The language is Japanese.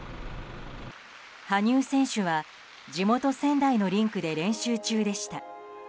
羽生選手は地元・仙台のリンクで練習中でした。